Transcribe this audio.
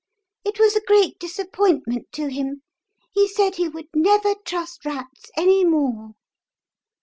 It was a great disappointment to him ; he said he would never trust rats any more."